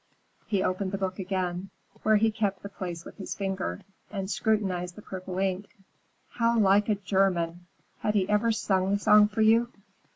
He opened the book again, where he kept the place with his finger, and scrutinized the purple ink. "How like a German! Had he ever sung the song for you?"